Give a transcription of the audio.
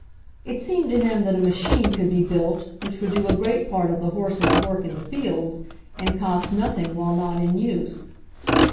It seemed to him that a machine could be built which would do a great part of the horses' work in the fields and cost nothing while not in use.